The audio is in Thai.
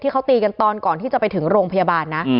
เขาตีกันตอนก่อนที่จะไปถึงโรงพยาบาลนะ